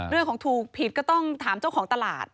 เรื่องของถูกผิดก็ต้องถามเจ้าของตลาด